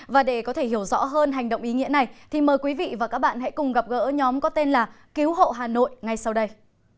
và để có thể hiểu rõ hơn hành động ý nghĩa này thì mời quý vị và các bạn hãy cùng gặp gỡ nhóm có tên là cứu hộ hà nội ngay sau đây